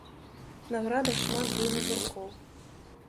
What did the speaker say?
На градах шмат буйных гуркоў.